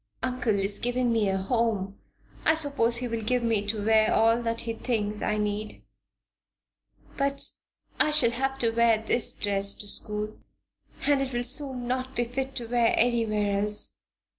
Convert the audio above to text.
"Uncle is giving me a home; I suppose he will give me to wear all that he thinks I need. But I shall have to wear this dress to school, and it will soon not be fit to wear anywhere else."